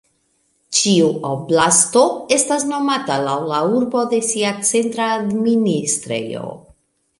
Ĉiu "oblast"o estas nomata laŭ la urbo de sia centra administrejo.